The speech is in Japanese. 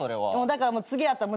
だから次会ったら